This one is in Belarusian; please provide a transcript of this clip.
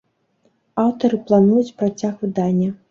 Аўтары плануюць працяг выдання.